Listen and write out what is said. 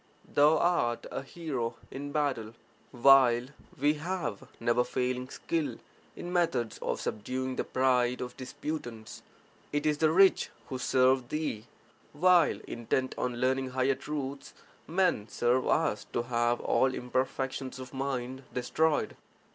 Thou art a hero (in battle), while we have never failing skill in methods of subduing the pride of disputants. It is the rich who serve thee, while, intent on learning (higher truths), men serve us to have all imperfections of mind destroyed.